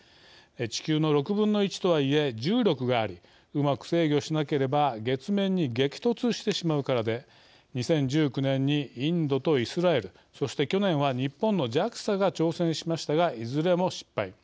地球の６分の１とはいえ重力がありうまく制御しなければ月面に激突してしまうからで２０１９年にインドとイスラエルそして去年は日本のＪＡＸＡが挑戦しましたがいずれも失敗。